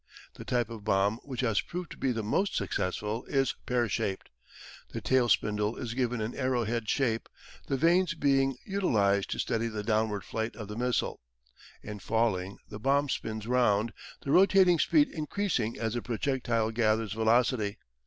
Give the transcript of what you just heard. The type of bomb which has proved to be the most successful is pear shaped. The tail spindle is given an arrow head shape, the vanes being utilised to steady the downward flight of the missile. In falling the bomb spins round, the rotating speed increasing as the projectile gathers velocity.